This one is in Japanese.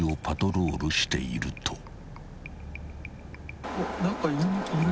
パトロールしていると］